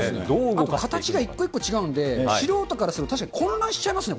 形が一個一個違うんで、素人からすると確かに混乱しちゃいますね。